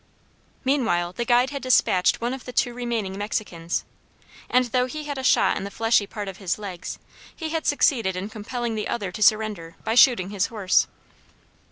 Meanwhile, the guide had dispatched one of the two remaining Mexicans, and, though he had a shot in the fleshy part of his leg, he had succeeded in compelling the other to surrender by shooting his horse.